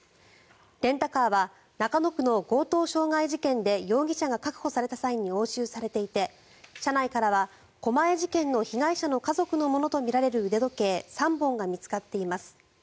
レンタカーは中野区の強盗傷害事件で容疑者が確保された際に押収されていて車内からは狛江事件の被害者の家族のものとみられる腕時計３本が見つかっています。